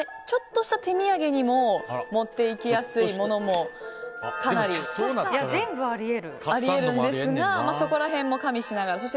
ちょっとした手土産にも持っていきやすいものも、かなりあり得るんですがそこら辺も加味しながら。